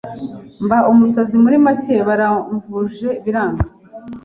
mba umusazi muri make. Baramvuje biranga,